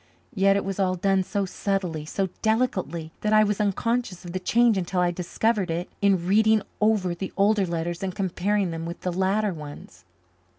Yet it was all done so subtly, so delicately, that I was unconscious of the change until I discovered it in reading over the older letters and comparing them with the later ones.